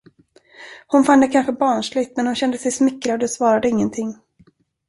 Hon fann det kanske barnsligt, men hon kände sig smickrad och svarade ingenting.